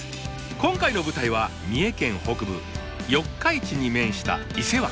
今回の舞台は三重県北部四日市に面した伊勢湾。